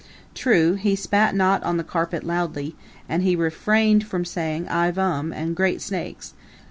True, he spat not on the carpet loudly, and he refrained from saying I vum! and Great Snakes!